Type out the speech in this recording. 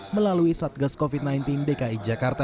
melalui satgas covid sembilan belas dki jakarta